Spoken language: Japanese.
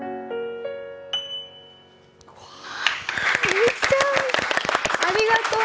りっちゃん、ありがとう。